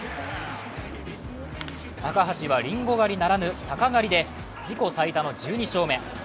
高橋はりんご狩りならぬたか狩りで自己最多の１２勝目。